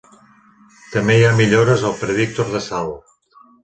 També hi ha millores al predictor de salt.